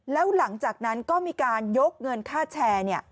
แล้วหลังจากนั้นก็มีการยกเงินค่าแชร์